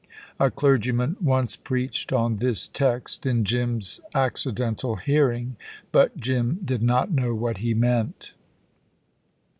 A clergyman once preached on this text in Jim's accidental hearing, but Jim did not know what he meant.